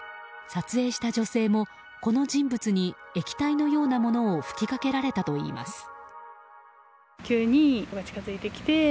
撮影した女性もこの人物に液体のようなものを噴きかけられたといいます。